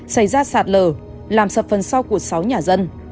xảy ra sạt lở làm sập phần sau của sáu nhà dân